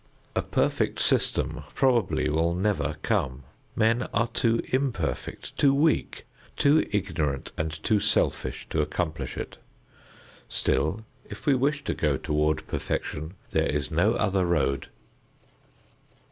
A perfect system probably will never come. Men are too imperfect, too weak, too ignorant and too selfish to accomplish it. Still, if we wish to go toward perfection, there is no other road.